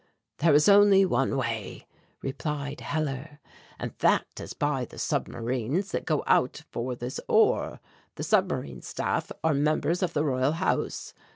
"There is only one way," replied Hellar, "and that is by the submarines that go out for this ore. The Submarine Staff are members of the Royal House.